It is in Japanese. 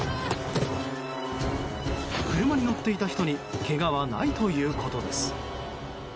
車に乗っていた人にけがはないということです。